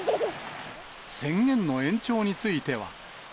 宣言の延長については。